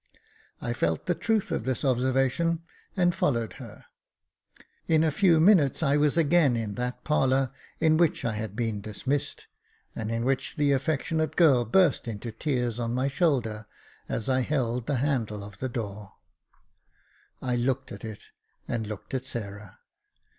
I felt the truth of this observation, and followed her. In a few minutes I was again in that parlour in which I had been dismissed, and in which the affectionate girl burst into tears on my shoulder, as I held the handle Jacob Faithful 317 of the door. I looked at it, and looked at Sarah.